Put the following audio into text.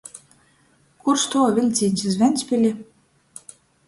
Kur stuov viļcīņs iz Ventspili?